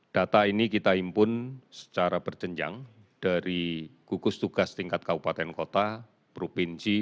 data ini kita impun secara berjenjang dari gugus tugas tingkat kabupaten kota provinsi